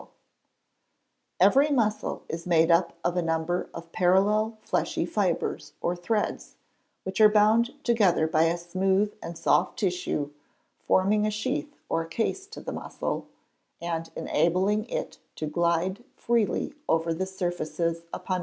_ Every muscle is made up of a number of parallel fleshy fibres, or threads, which are bound together by a smooth and soft tissue, forming a sheath or case to the muscle, and enabling it to glide freely over the surfaces upon which it moves.